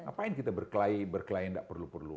ngapain kita berkelahi berkelahi yang tidak perlu perlu